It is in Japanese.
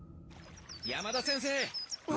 山田先生。